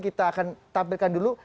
kita akan tampilkan dulu